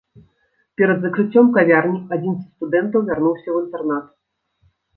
Перад закрыццём кавярні адзін са студэнтаў вярнуўся ў інтэрнат.